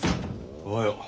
おはよう。